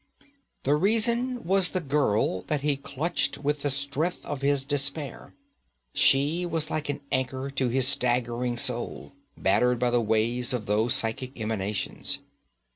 The reason was the girl that he clutched with the strength of his despair. She was like an anchor to his staggering soul, battered by the waves of those psychic emanations.